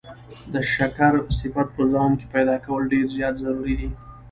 د شکر صفت په ځان کي پيدا کول ډير زيات ضروري دی